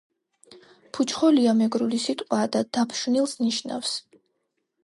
„ფუჩხოლია“ მეგრული სიტყვაა და დაფშვნილს ნიშნავს.